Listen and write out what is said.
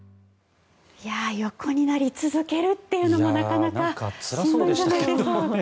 横になり続けるというのもなかなかしんどいんじゃないですかね。